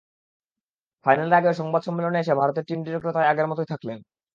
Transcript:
ফাইনালের আগেও সংবাদ সম্মেলনে এসে ভারতের টিম ডিরেক্টর তাই আগের মতোই থাকলেন।